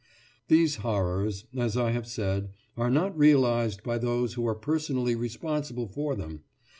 These horrors, as I have said, are not realised by those who are personally responsible for them.